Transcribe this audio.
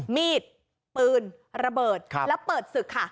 มีดปืนระเบิดแล้วเปิดศึกค่ะ